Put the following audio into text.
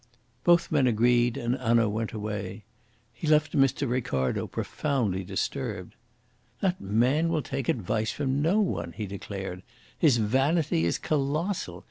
Both men agreed, and Hanaud went away. He left Mr. Ricardo profoundly disturbed. "That man will take advice from no one," he declared. "His vanity is colossal.